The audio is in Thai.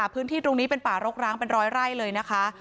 พื้นที่ตรงนี้เป็นป่ารกร้างเป็นร้อยไร่เลยนะคะ